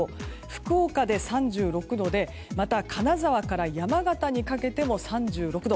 福岡で３６度でまた金沢から山形にかけても３６度。